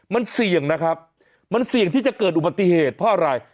มันเสี่ยงนะครับมันเสี่ยงที่จะเกิดอุบัติเหตุเพราะอะไร